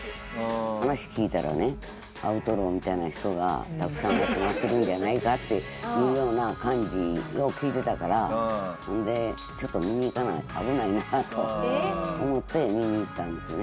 話を聞いたらねアウトローみたいな人がたくさん集まってくるんじゃないかっていうような感じよう聞いてたからでちょっと見に行かな危ないなと思って見に行ったんですね。